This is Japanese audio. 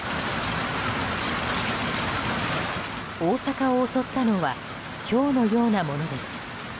大阪を襲ったのはひょうのようなものです。